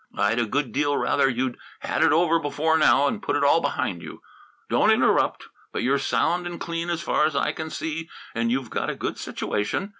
I'd a good deal rather you'd had it over before now and put it all behind you don't interrupt but you're sound and clean as far as I can see, and you've got a good situation.